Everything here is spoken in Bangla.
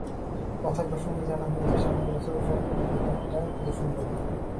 কথা প্রসঙ্গেই জানা হয়ে যায়, সামনের বছর জলরঙের একটা প্রদর্শনী করবেন।